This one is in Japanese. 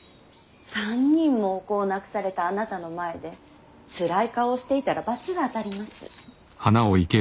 ３人もお子を亡くされたあなたの前でつらい顔をしていたら罰が当たります。